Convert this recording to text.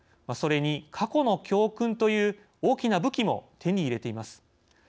それに過去の教訓という大きな武器も手に入れています。